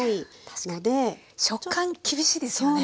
確かに食感厳しいですよね。